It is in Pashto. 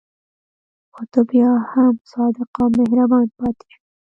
خو ته بیا هم صادق او مهربان پاتې شه.